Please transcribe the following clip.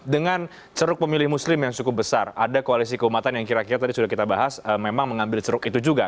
dengan ceruk pemilih muslim yang cukup besar ada koalisi keumatan yang kira kira tadi sudah kita bahas memang mengambil ceruk itu juga